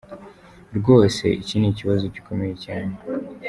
Rwose iki ni ikibazo gikomeye cyane”.